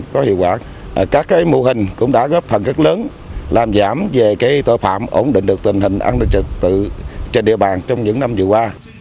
các mô hình cũng đã góp phần rất lớn làm giảm về tội phạm ổn định được tình hình an ninh trật tự trên địa bàn trong những năm vừa qua